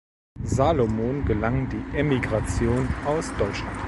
Salomon gelang die Emigration aus Deutschland.